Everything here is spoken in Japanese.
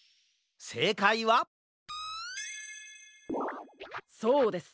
せいかいはそうです。